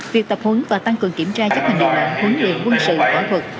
việc tập huấn và tăng cường kiểm tra chấp hành điều lệnh huấn luyện quân sự phó thuật